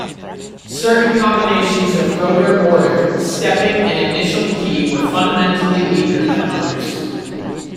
Certain combinations of rotor order, stepping and initial key were fundamentally weaker than others.